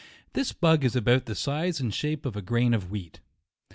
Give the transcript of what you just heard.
This bug is about the size and shape of a grain of 124 JUNE. wheat.